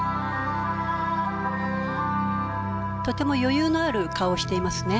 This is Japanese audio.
とても余裕のある顔をしていますね。